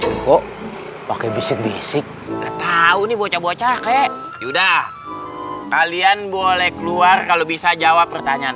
no kebisik bisik tahu nih bocah bocah kek yudha kalian boleh keluar kalau bisa jawab pertanyaan